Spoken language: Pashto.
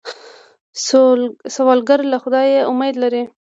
سوالګر له خدایه امید لري